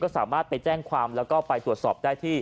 สามารถไปแจ้งความแล้วก็ไปตรวจสอบได้ที่